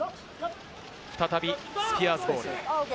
再びスピアーズボール。